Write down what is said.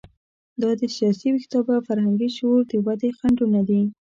دا د سیاسي ویښتیابه او فرهنګي شعور د ودې خنډونه دي.